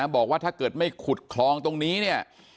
บอกว่าถ้าเกิดไม่ขุดคลองตรงนี้เนี่ย